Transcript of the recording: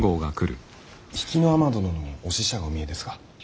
比企尼殿のお使者がお見えですが。